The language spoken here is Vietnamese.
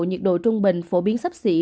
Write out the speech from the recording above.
nhiệt độ trung bình phổ biến sắp xỉ